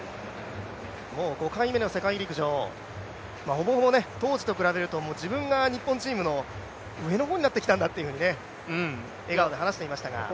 もう５回目の世界陸上、当時と比べると、自分が日本チームの上の方になってきたんだというふうに笑顔で話していましたが。